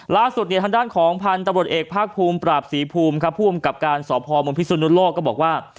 ล่าสุดเนี่ยทางด้านของพันธบดเอกภาคภูมิปราบศรีภูมิคภูมิกับการสอบภอมวงพิสูจน์โนโลก็บอกว่า